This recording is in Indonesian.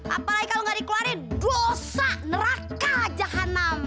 apalagi kalau gak dikeluarin dosa neraka jahanam